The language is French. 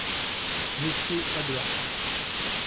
Messieurs, pas de hâte.